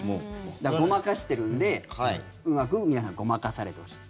だから、ごまかしてるんでうまく皆さんごまかされてほしい。